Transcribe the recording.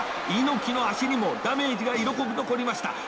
猪木の足にもダメージが色濃く残りました。